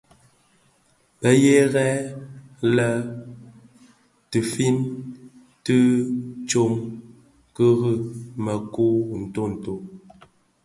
Bè dhëňrëňi dii di lè geeti in nfin kidhi tsom ki měkukuu, ntooto.